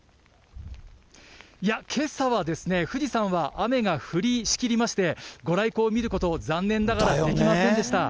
いや、けさはですね、富士山は雨が降りしきりまして、ご来光を見ること、残念ながらできませんでした。